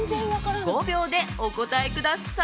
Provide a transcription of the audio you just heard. ５秒でお答えください！